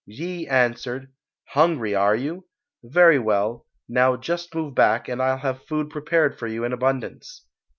Yee answered, "Hungry, are you? Very well, now just move back and I'll have food prepared for you in abundance."